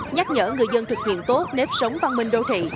nhắc nhở người dân thực hiện tốt nếp sống văn minh đô thị